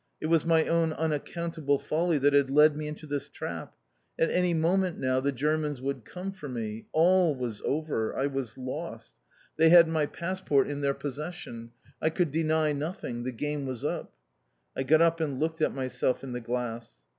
It was my own unaccountable folly that had led me into this trap. At any moment now the Germans would come for me. All was over. I was lost. They had my passport in their possession. I could deny nothing. The game was up. I got up and looked at myself in the glass.